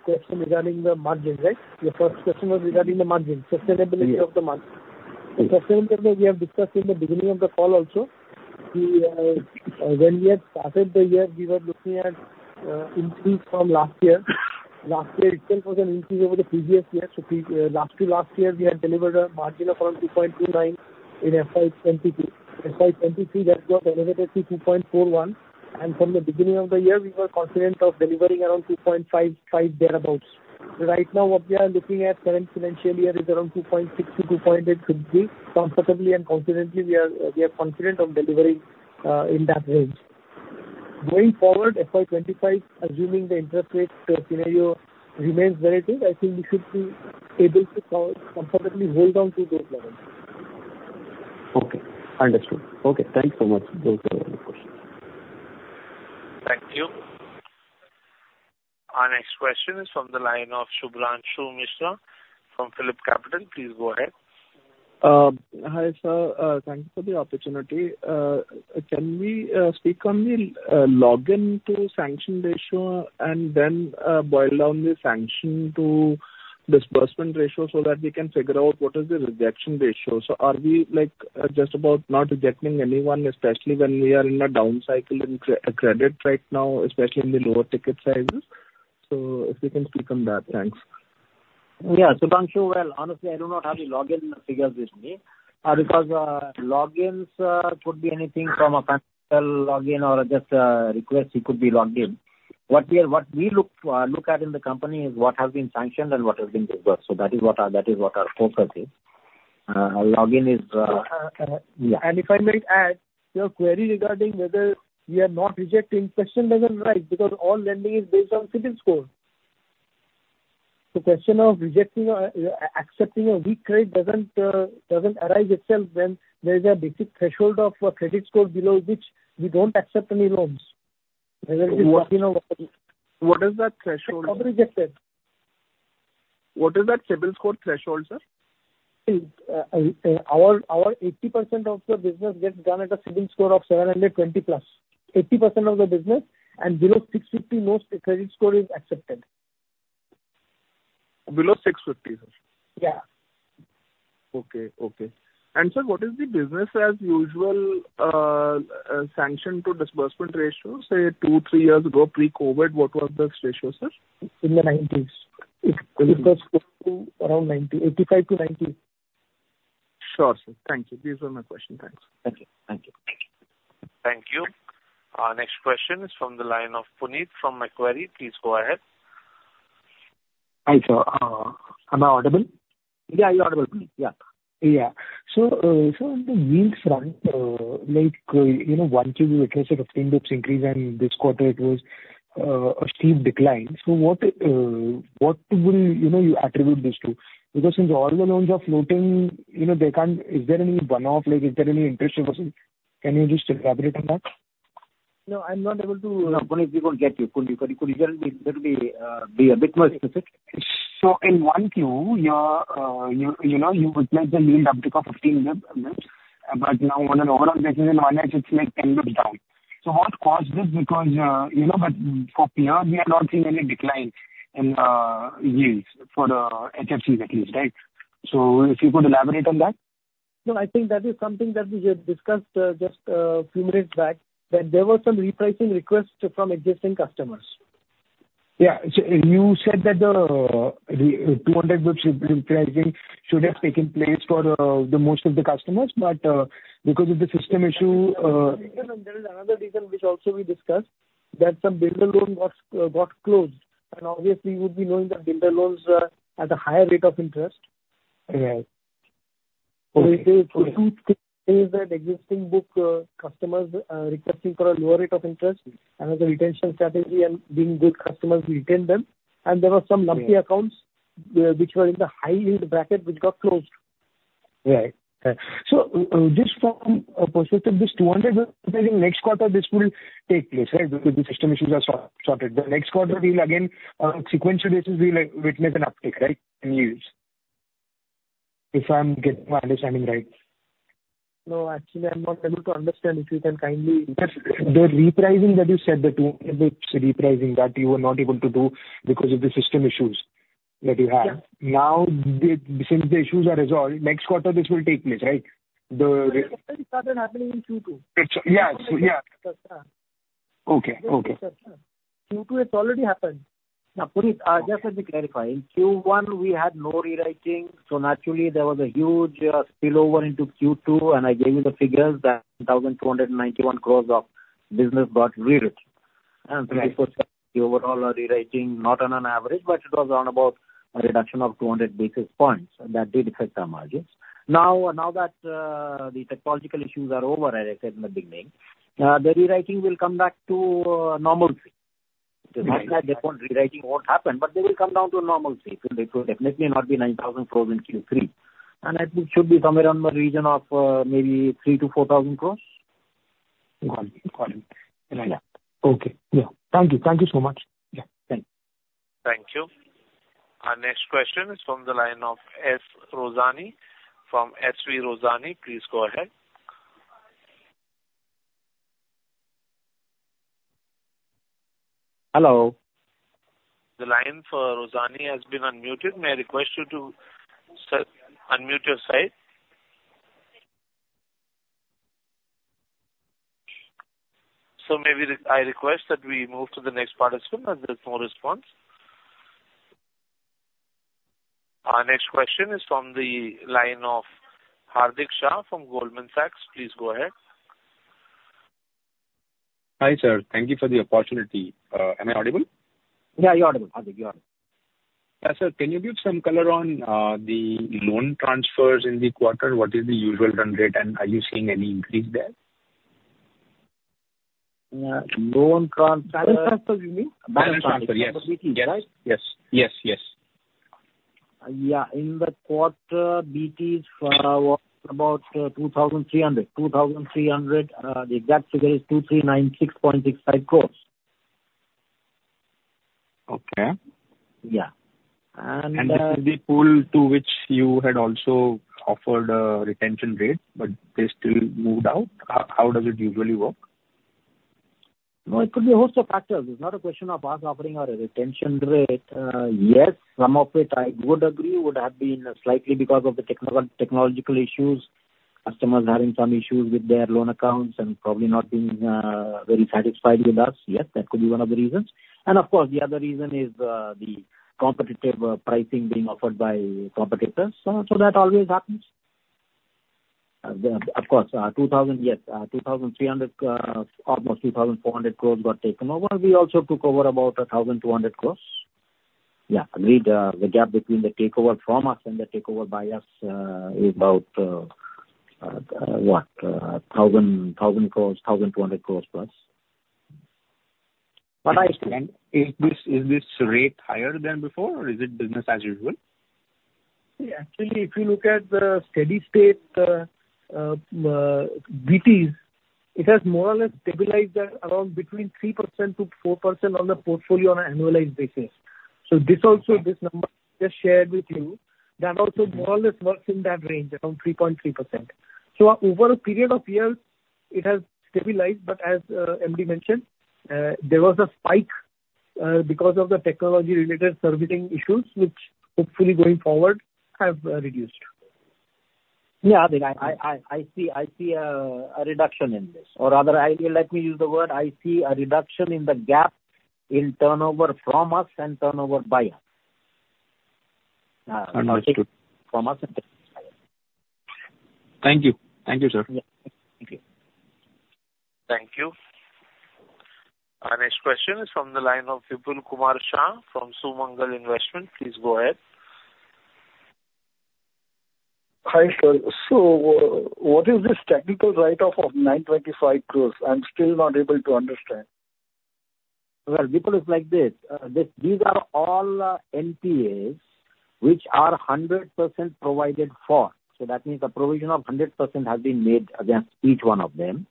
question regarding the margins, right? Your first question was regarding the margin, sustainability of the margin. Yes. Sustainability, we have discussed in the beginning of the call also. We, when we had started the year, we were looking at increase from last year. Last year it was an increase over the previous year, so pre- last to last year, we had delivered a margin of around 2.29 in FY 2022. FY 2023, that got elevated to 2.41, and from the beginning of the year, we were confident of delivering around 2.55 thereabouts. Right now, what we are looking at current financial year is around 2.6%-2.8% should be. Comfortably and confidently, we are, we are confident of delivering, in that range. Going forward, FY 2025, assuming the interest rate, scenario remains relative, I think we should be able to comfortably hold on to those levels. Okay, understood. Okay, thanks so much. Those are all the questions. Thank you. Our next question is from the line of Shubhranshu Mishra from PhillipCapital. Please go ahead. Hi, sir, thank you for the opportunity. Can we speak on the login to sanction ratio and then boil down the sanction to disbursement ratio so that we can figure out what is the rejection ratio? So are we, like, just about not rejecting anyone, especially when we are in a down cycle in credit right now, especially in the lower ticket sizes? So if you can speak on that. Thanks. Yeah, Shubhanshu, well, honestly, I do not have the login figures with me. Because logins could be anything from a personal login or just request, it could be logged in. What we look at in the company is what has been sanctioned and what has been dispersed. So that is what our focus is. And if I may add, your query regarding whether we are not rejecting, question doesn't arise because all lending is based on CIBIL score. So question of rejecting or accepting a weak credit doesn't arise itself when there is a basic threshold of a credit score below which we don't accept any loans. Whether it is working or what- What is that threshold? automatic rejected. What is that CIBIL score threshold, sir? Our 80% of the business gets done at a CIBIL score of 720 plus. 80% of the business, and below 650, no credit score is accepted. Below 650, sir? Yeah. Okay, okay. And sir, what is the business as usual, sanction to disbursement ratio? Say, two, three years ago, pre-COVID, what was the ratio, sir? In the nineties. Okay. Disbursement to around 85%-90%. Sure, sir. Thank you. These were my questions. Thanks. Thank you. Thank you. Thank you. Our next question is from the line of Punit from Macquarie. Please go ahead. Hi, sir. Am I audible? Yeah, you're audible, Punit. Yeah. Yeah. So, so on the NIMs front, like, you know, Q1 you requested a 10 basis points increase, and this quarter it was a steep decline. So what, what would, you know, you attribute this to? Because since all the loans are floating, you know, they can't... Is there any one-off, like is there any interest reversal? Can you just elaborate on that? No, I'm not able to, Punit, we will get you. Could you, could you just be a bit more specific, please? In 1Q, you know, you would like the yield up to 15 billion, but now on an overall basis, in 1H, it's like 10 basis points down. What caused this? Because, you know that for years we have not seen any decline in yields for the HFCs at least, right? If you could elaborate on that. No, I think that is something that we had discussed just few minutes back, that there were some repricing requests from existing customers. Yeah. So you said that the 200 basis points repricing should have taken place for the most of the customers, but because of the system issue, There is another reason which also we discussed, that some builder loan got closed, and obviously you would be knowing that builder loans are at a higher rate of interest. Right. So two things, is that existing book, customers, requesting for a lower rate of interest as a retention strategy and being good customers, we retain them. And there were some lumpy accounts, which were in the high-yield bracket, which got closed. Right. Right. So, just from a perspective, this 200, in next quarter, this will take place, right? Because the system issues are sorted. The next quarter will again, on sequential basis, we will witness an uptick, right, in yields, if I'm getting my understanding right? No, actually, I'm not able to understand. If you can kindly- The repricing that you said, the 200 repricing that you were not able to do because of the system issues that you had. Yeah. Now, since the issues are resolved, next quarter, this will take place, right? The- It started happening in Q2. It's, yeah. Yeah. Yeah. Okay. Okay. Q2, it's already happened. Now, Punit, just let me clarify. In Q1, we had no rewriting, so naturally there was a huge spillover into Q2, and I gave you the figures, that 1,291 crore of business got rewritten. Right. The overall rewriting, not on an average, but it was around about a reduction of 200 basis points. That did affect our margins. Now that the technological issues are over, as I said in the beginning, the rewriting will come back to normalcy. It's not like they won't rewriting what happened, but they will come down to normalcy. So it will definitely not be 9,000 crore in Q3. And I think it should be somewhere around the region of maybe 3,000 crore-4,000 crore. Yeah. Okay. Yeah. Thank you. Thank you so much. Yeah. Thank you. Thank you. Our next question is from the line of S.V. Rosani, from SV Rosani. Please go ahead. Hello. The line for Rosani has been unmuted. May I request you to unmute your side? So maybe I request that we move to the next participant, as there's no response. Our next question is from the line of Hardik Shah from Goldman Sachs. Please go ahead. Hi, sir. Thank you for the opportunity. Am I audible? Yeah, you're audible. Hardik, you're audible. Sir, can you give some color on the loan transfers in the quarter? What is the usual run rate, and are you seeing any increase there? loan transfer- Balance transfer, you mean? Balance transfer, yes. Right? Yes. Yes, yes. Yeah. In the quarter, BTs was about 2,300 crore. 2,300 crore, the exact figure is 2,396.65 crore. Okay. Yeah. And- This is the pool to which you had also offered a retention rate, but they still moved out. How, how does it usually work? No, it could be a host of factors. It's not a question of us offering our retention rate. Yes, some of it I would agree, would have been slightly because of the technological issues, customers having some issues with their loan accounts and probably not being very satisfied with us. Yes, that could be one of the reasons. And of course, the other reason is the competitive pricing being offered by competitors. So that always happens. Of course, 2,300, almost 2,400 crore got taken over. We also took over about 1,200 crore. Yeah, agreed, the gap between the takeover from us and the takeover by us is about, what? 1,000 crore, 1,200 crore plus. What I understand, is this, is this rate higher than before, or is it business as usual? Yeah. Actually, if you look at the steady state, BTs, it has more or less stabilized at around between 3%-4% on the portfolio on an annualized basis. So this also, this number just shared with you, that also more or less works in that range, around 3.3%. So over a period of years, it has stabilized, but as MD mentioned, there was a spike because of the technology-related servicing issues, which hopefully going forward have reduced. Yeah, I think I see a reduction in this. Or rather, let me use the word, I see a reduction in the gap in turnover from us and turnover by us. Understood. From us and- Thank you. Thank you, sir. Yeah. Thank you. Thank you. Our next question is from the line of Vipul Kumar Shah from Sumangal Investment. Please go ahead. Hi, sir. So what is this technical write-off of 925 crore? I'm still not able to understand. Well, Vipul, it's like this, these are all NPAs, which are 100% provided for. So that means a provision of 100% has been made against each one of them.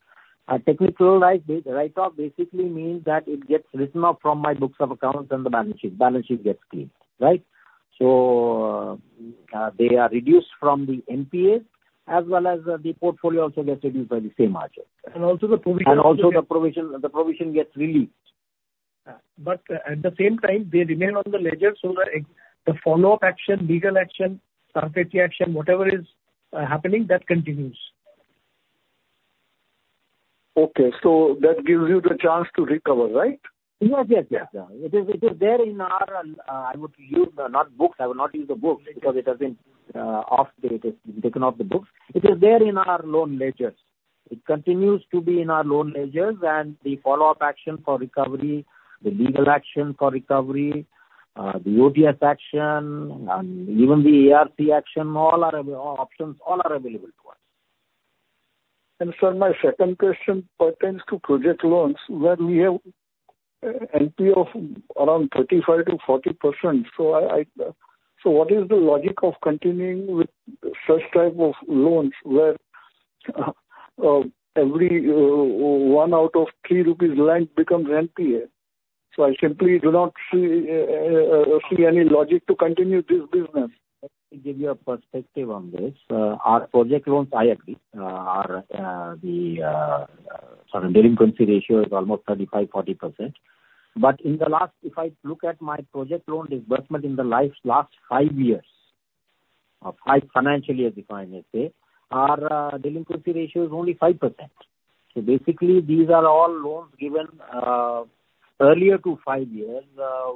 A technical write, write-off basically means that it gets written off from my books of accounts and the balance sheet, balance sheet gets clean, right? So, they are reduced from the NPAs, as well as the portfolio also gets reduced by the same margin. And also the provision- Also the provision, the provision gets released. But at the same time, they remain on the ledger, so the follow-up action, legal action, recovery action, whatever is happening, that continues. Okay. So that gives you the chance to recover, right? Yes, yes, yes. It is, it is there in our, I would use not books, I would not use the books because it has been taken off the books. It is there in our loan ledgers. It continues to be in our loan ledgers, and the follow-up action for recovery, the legal action for recovery, the OTS action and even the ARP action, all are options, all are available to us. Sir, my second question pertains to project loans, where we have NPA of around 35%-40%. So what is the logic of continuing with such type of loans where every one out of three rupees lent becomes NPA? So I simply do not see any logic to continue this business. Let me give you a perspective on this. Our project loans, I agree, are our delinquency ratio is almost 35%-40%. But in the last, if I look at my project loan disbursement in the last 5 years, of high financially as defined, let's say, our delinquency ratio is only 5%. So basically, these are all loans given earlier to 5 years,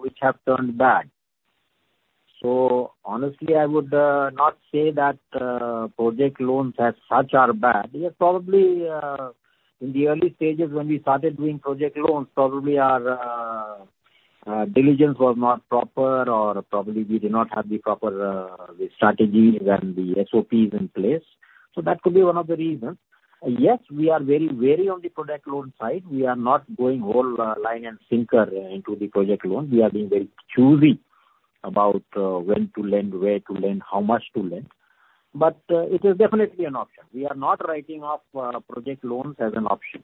which have turned bad. So honestly, I would not say that project loans as such are bad. They are probably in the early stages when we started doing project loans, probably our diligence was not proper or probably we did not have the proper the strategies and the SOPs in place. So that could be one of the reasons. Yes, we are very wary on the project loan side. We are not going all line and sinker into the project loan. We are being very choosy about when to lend, where to lend, how much to lend. But it is definitely an option. We are not writing off project loans as an option.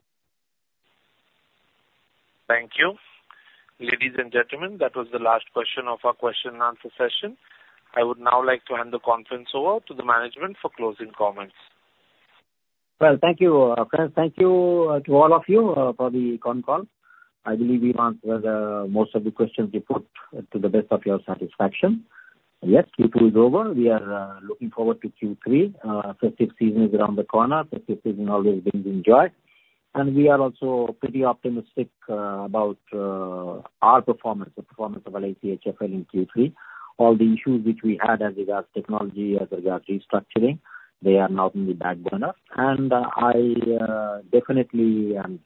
Thank you. Ladies and gentlemen, that was the last question of our question and answer session. I would now like to hand the conference over to the management for closing comments. Well, thank you, friends. Thank you to all of you for the con call. I believe we answered most of the questions you put to the best of your satisfaction. Yes, Q2 is over. We are looking forward to Q3. Festive season is around the corner. Festive season always brings joy. And we are also pretty optimistic about our performance, the performance of LIC HFL in Q3. All the issues which we had as regards technology, as regards restructuring, they are now in the back burner. And I definitely am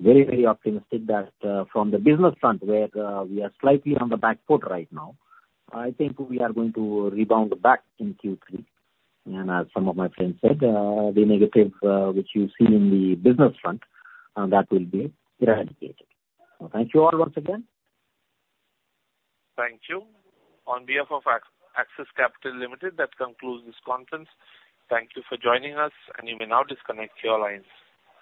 very, very optimistic that from the business front, where we are slightly on the back foot right now, I think we are going to rebound back in Q3. As some of my friends said, the negatives, which you see in the business front, that will be eradicated. So thank you all once again. Thank you. On behalf of Axis Capital Limited, that concludes this conference. Thank you for joining us, and you may now disconnect your lines.